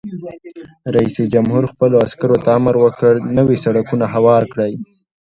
رئیس جمهور خپلو عسکرو ته امر وکړ؛ نوي سړکونه هوار کړئ!